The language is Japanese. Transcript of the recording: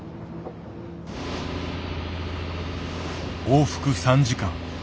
往復３時間。